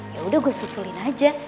ya udah gue susulin aja